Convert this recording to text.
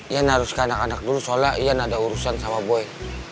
ya narus ke anak anak dulu soalnya ian ada urusan sama boy